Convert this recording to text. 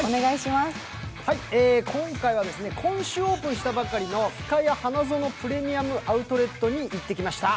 今回は今週オープンしたばかりのふかや花園プレミアム・アウトレットに行ってきました。